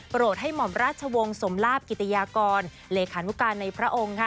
โหลดให้หม่อมราชวงศ์สมลาบกิติยากรเลขานุการในพระองค์